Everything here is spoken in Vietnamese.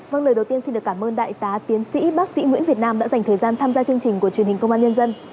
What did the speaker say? vâng lời đầu tiên xin được cảm ơn đại tá tiến sĩ bác sĩ nguyễn việt nam đã dành thời gian tham gia chương trình của truyền hình công an nhân dân